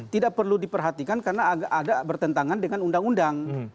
tidak perlu diperhatikan karena ada bertentangan dengan undang undang